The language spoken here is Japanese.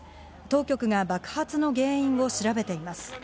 当局が爆発の原因を調べています。